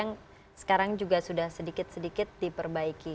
yang sekarang juga sudah sedikit sedikit diperbaiki